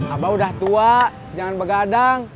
abah udah tua jangan begadang